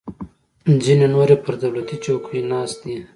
ځینې نور یې پر دولتي چوکیو ناست دي.